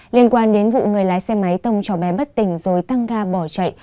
liên quan đến vụ người lái xe máy tông cho bé bất tỉnh rồi tăng ga bỏ chạy